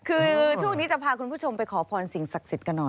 คือช่วงนี้จะพาคุณผู้ชมไปขอพรสิ่งศักดิ์สิทธิ์กันหน่อย